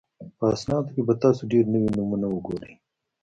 په اسنادو کې به تاسو ډېر نوي نومونه وګورئ.